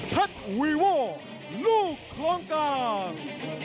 พักวีว่อลูกครองกลาง